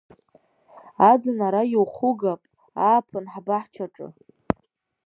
Аӡын ара иухугап, ааԥын ҳбаҳчаҿы!